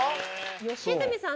良純さん